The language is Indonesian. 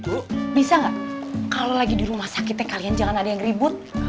tuh bisa nggak kalau lagi di rumah sakitnya kalian jangan ada yang ribut